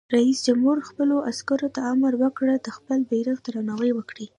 رئیس جمهور خپلو عسکرو ته امر وکړ؛ د خپل بیرغ درناوی وکړئ!